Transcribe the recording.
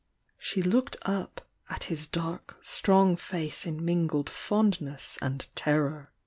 ,.... She looked up at his dark, strong face in mingled fondness and terror.